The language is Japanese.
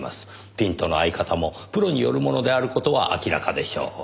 ピントの合い方もプロによるものである事は明らかでしょう。